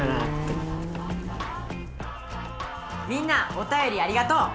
みんなおたよりありがとう！